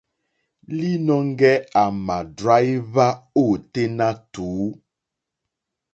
Līnɔ̄ŋgɛ̄ à mà dráíhwá ôténá tùú.